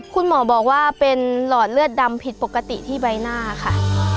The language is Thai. คุณหมอบอกว่าเป็นหลอดเลือดดำผิดปกติที่ใบหน้าค่ะ